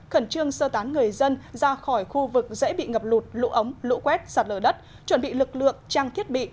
khẩn trương sơ tán người dân ra khỏi khu vực dễ bị ngập lụt lũ ống lũ quét sạt lở đất chuẩn bị lực lượng trang thiết bị